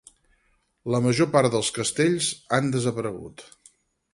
La major part de castells han desaparegut.